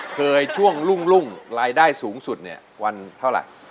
ช่วงรุ่งรายได้สูงสุดเนี่ยวันเท่าไหร่